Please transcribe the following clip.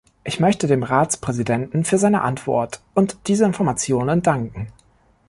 Ich möchte dem Ratspräsidenten für seine Antwort und diese Informationen danken.